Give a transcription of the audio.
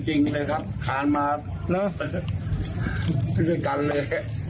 จริงเลยครับขาดมาเริ่มทุกรณ์เลย